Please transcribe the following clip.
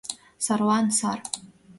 — Сарлан — сар!